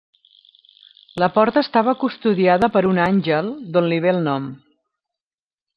La porta estava custodiada per un àngel, d'on li ve el nom.